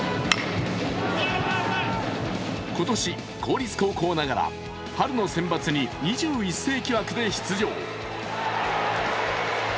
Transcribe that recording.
今年、公立高校ながら春のセンバツに２１世紀枠で出場。